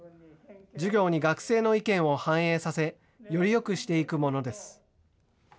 授業に学生の意見を反映させ、よりよくしていくものです。